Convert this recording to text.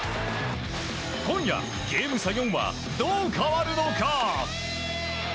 今夜ゲーム差４はどう変わるのか？